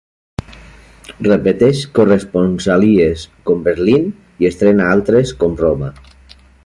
Repeteix corresponsalies, com Berlín, i estrena altres, com Roma.